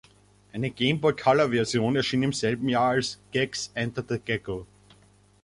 Eine Game Boy Color-Version erschien im selben Jahr als "Gex: Enter the Gecko".